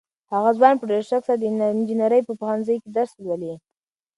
هغه ځوان په ډېر شوق سره د انجنیرۍ په پوهنځي کې درس لولي.